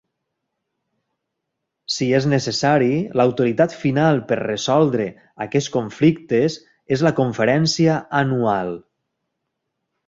Si és necessari, l'autoritat final per resoldre aquests conflictes és la Conferència Anual.